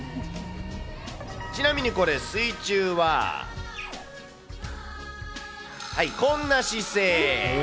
ちなみにこれ、水中は、はい、こんな姿勢。